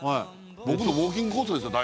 僕のウォーキングコースですよ